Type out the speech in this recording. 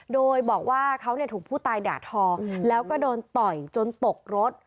โดยบอกว่าเขาถูกผู้ตายด่าทอแล้วก็โดนต่อยจนตกรถ